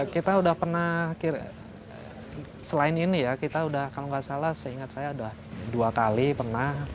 kita udah pernah selain ini ya kita udah kalau nggak salah seingat saya sudah dua kali pernah